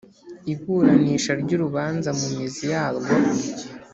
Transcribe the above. Iburanisha ry urubanza mu mizi yarwo